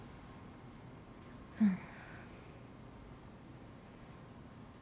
うん。